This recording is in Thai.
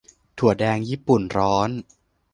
- ถั่วแดงญี่ปุ่นร้อน